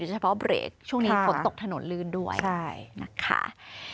เฉพาะเบรกช่วงนี้ฝนตกถนนลื่นด้วยนะคะ